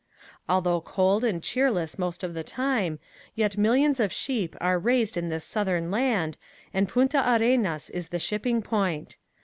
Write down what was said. Although cold and cheerless most of the time, yet millions of sheep are raised in this southern land and Punta Arenas is the shipping point.